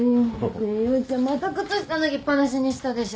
ねえ陽ちゃんまた靴下脱ぎっぱなしにしたでしょ？